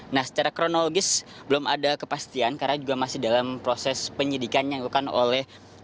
nah secara kronologis belum ada kepastian karena juga masih dalam proses penyidikan yang dilakukan oleh